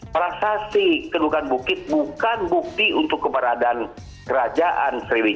prasasti kedukan bukit bukan bukti untuk keberadaan kerajaan